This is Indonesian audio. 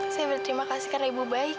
saya berterima kasih karena ibu baik